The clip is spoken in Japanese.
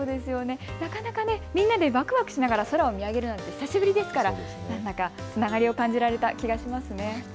なかなかみんなでわくわくしながら空を見上げるなんて久しぶりですからつながりを感じられた気がしますね。